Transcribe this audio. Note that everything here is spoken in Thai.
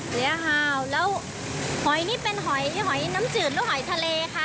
ลิฮาลแล้วหอยนี่เป็นหอยน้ำจืดหรือหอยทะเลคะ